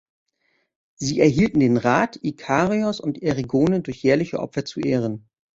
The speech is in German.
Sie erhielten den Rat, Ikarios und Erigone durch jährliche Opfer zu ehren.